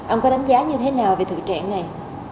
ông có đánh giá như thế nào về thực trạng này